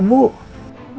bapak coba ya bapak coba